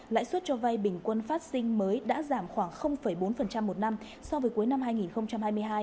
lãi suất cho vay bình quân phát sinh mới đã giảm khoảng bốn một năm so với cuối năm hai nghìn hai mươi hai